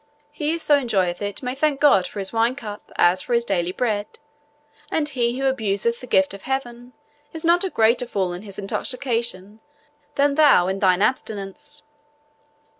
He who so enjoyeth it may thank God for his winecup as for his daily bread; and he who abuseth the gift of Heaven is not a greater fool in his intoxication than thou in thine abstinence."